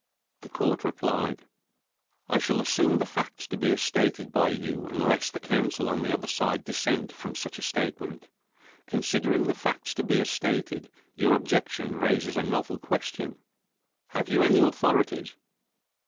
The court replied: "I shall assume the facts to be as stated by you unless the counsel on the other side dissent from such a statement. Considering the facts to be as stated, your objection raises a novel question. Have you any authorities?"